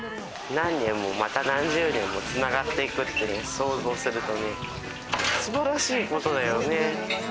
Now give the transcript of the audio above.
何年もまた何十年も繋がっていくっていう想像すると、素晴らしいことだよね。